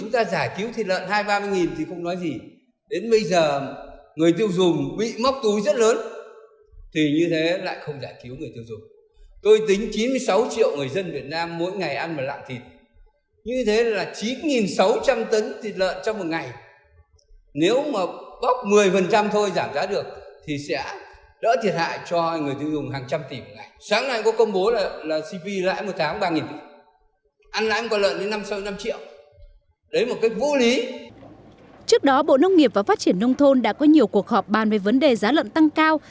trước đó bộ nông nghiệp và phát triển nông thôn đã có nhiều cuộc họp bàn về vấn đề giá lợn tăng cao